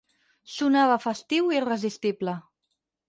Sonava festiu i irresistible.